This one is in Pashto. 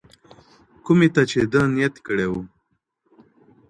کومي ته چي ده نيت کړی وو.